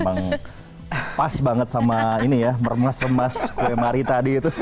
emang pas banget sama ini ya mermas remas kue mari tadi itu